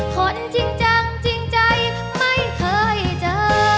คนจริงจังจริงใจไม่เคยเจอ